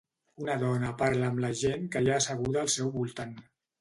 Una dona parla amb la gent que hi ha asseguda al seu voltant.